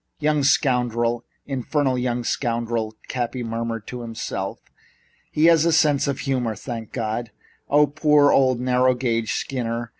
"Young scoundrel! In fer nal young scoundrel!" Cappy murmured to himself. "He has a sense of humor, thank God! Ah, poor old narrow gauge Skinner!